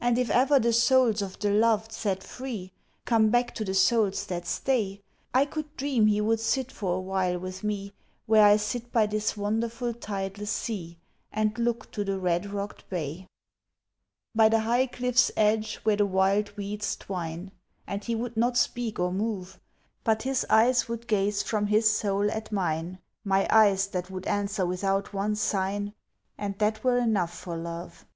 And if ever the souls of the loved, set free, Come back to the souls that stay, I could dream he would sit for a while with me Where I sit by this wonderful tideless sea And look to the red rocked bay, By the high cliff's edge where the wild weeds twine, And he would not speak or move, But his eyes would gaze from his soul at mine, My eyes that would answer without one sign, And that were enough for love.